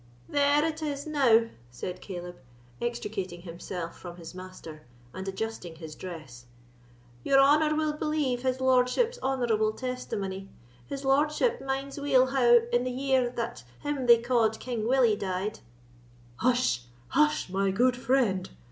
"There it is, now," said Caleb, extricating himself from his master, and adjusting his dress, "your honour will believe his lordship's honourable testimony. His lordship minds weel how, in the year that him they ca'd King Willie died——" "Hush! hush, my good friend!"